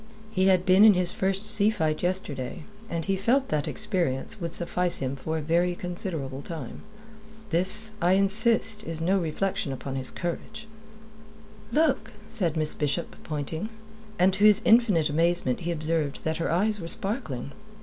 He had been in his first sea fight yesterday, and he felt that the experience would suffice him for a very considerable time. This, I insist, is no reflection upon his courage. "Look," said Miss Bishop, pointing; and to his infinite amazement he observed that her eyes were sparkling.